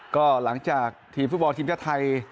ก็หลังจากทีมฟุตบอลทีมชาติไทย